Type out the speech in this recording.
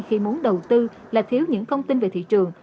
khi muốn đầu tư là thiếu những thông tin về thị trường